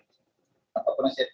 tersangka berinisial dww